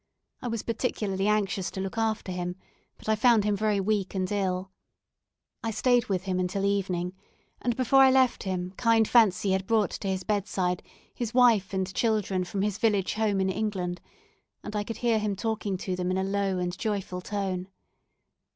I was particularly anxious to look after him, but I found him very weak and ill. I stayed with him until evening, and before I left him, kind fancy had brought to his bedside his wife and children from his village home in England, and I could hear him talking to them in a low and joyful tone.